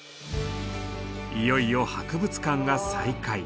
いよいよ博物館が再開。